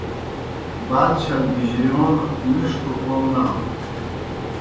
بال چھل بِجرِیون مِݜٹوْ کوْم نانوْ۔